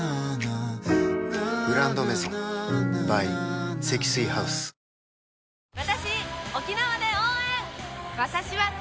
「グランドメゾン」ｂｙ 積水ハウスさあ